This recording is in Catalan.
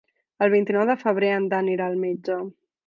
El vint-i-nou de febrer en Dan irà al metge.